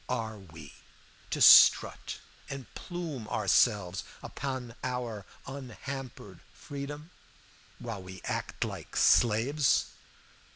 Are we to strut and plume ourselves upon our unhampered freedom, while we act like slaves?